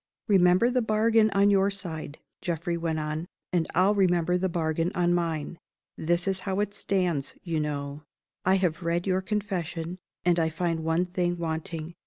"Remember the bargain on your side," Geoffrey went on, "and I'll remember the bargain on mine. This is how it stands, you know. I have read your Confession; and I find one thing wanting.